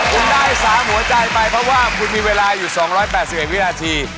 คุณได้๓หัวใจไปเพราะว่าคุณมีเวลาอยู่๒๘๑วินาที